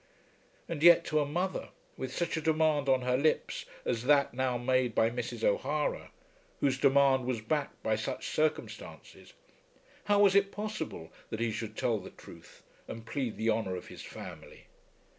And yet to a mother, with such a demand on her lips as that now made by Mrs. O'Hara, whose demand was backed by such circumstances, how was it possible that he should tell the truth and plead the honour of his family?